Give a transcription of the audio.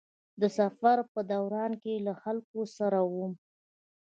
د سفر په دوران کې له خلکو سره وم.